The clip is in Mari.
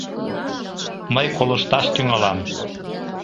Мый колышташ тӱҥалам.